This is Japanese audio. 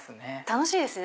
楽しいですね。